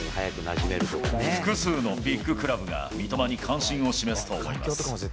複数のビッグクラブが、三笘に関心を示すと思います。